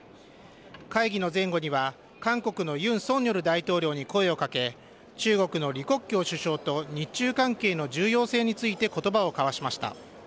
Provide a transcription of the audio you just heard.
会議の前後には韓国の尹錫悦大統領に声をかけ中国の李克強首相と日中関係の重要性について言葉を交わしました。